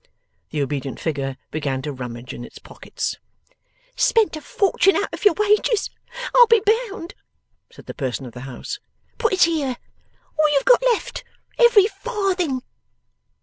The obedient figure began to rummage in its pockets. 'Spent a fortune out of your wages, I'll be bound!' said the person of the house. 'Put it here! All you've got left! Every farthing!